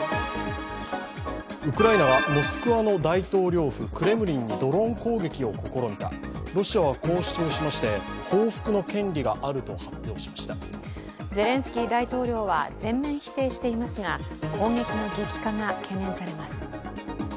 ウクライナがモスクワの大統領府クレムリンにドローン攻撃を試みたロシアはこう主張しましてゼレンスキー大統領は全面否定していますが攻撃の激化が懸念されます。